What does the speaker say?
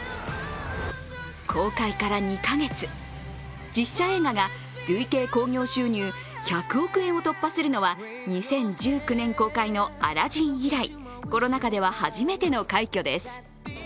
公開から２カ月、実写映画が累計興行収入１００億円を突破するのは２０１９年公開の「アラジン」以来、コロナ禍では初めての快挙です。